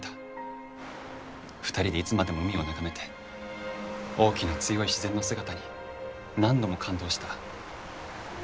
２人でいつまでも海を眺めて大きな強い自然の姿に何度も感動した。